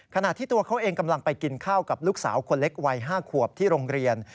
ขณะที่ตัวเขาเองกำลังไปกินข้าวกับลูกสาวคนเล็กวัย๕ขวบที่โรงเรียน